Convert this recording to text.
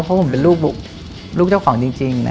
เพราะผมเป็นลูกเจ้าของจริง